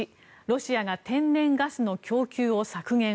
１ロシアが天然ガスの供給を削減。